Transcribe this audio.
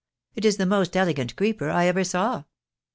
It is the most elegant creeper I ever saw."